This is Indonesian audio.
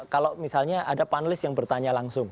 kalau misalnya ada panelis yang bertanya langsung